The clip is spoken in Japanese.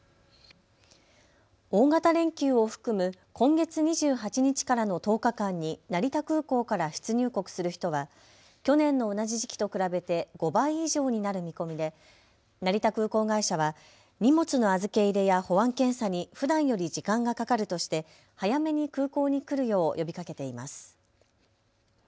大型連休を含む今月２８日からの１０日間に成田空港から出入国する人は去年の同じ時期と比べて５倍以上になる見込みで成田空港会社は荷物の預け入れや保安検査にふだんより時間がかかるとして早めに空港に来るよう呼びかけています。